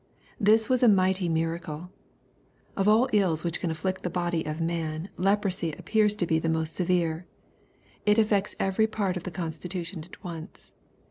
This was a mighty miracle. Of all ills which can afflict the body of man, leprosy appears to be the most severe. It affects every part of the constitution at once.